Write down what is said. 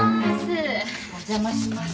お邪魔します。